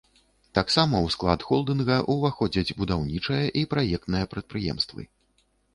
Таксама ў склад холдынга ўваходзяць будаўнічае і праектнае прадпрыемствы.